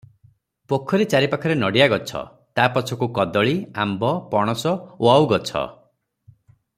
ପୋଖରୀ ଚାରିପାଖରେ ନଡ଼ିଆ ଗଛ, ତା ପଛକୁ କଦଳୀ, ଆମ୍ବ, ପଣସ, ଓଆଉ ଗଛ ।